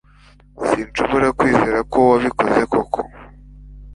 Sinshobora kwizera ko wabikoze koko